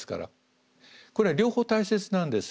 これは両方大切なんです。